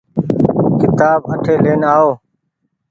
ڪيتآب اٺي لين آئو۔